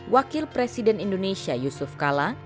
wakil presiden indonesia yusuf kala